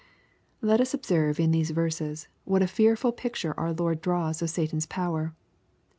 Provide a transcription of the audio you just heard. Let Us observe in these verses what a fearful picture our Lord draws of Satan's power.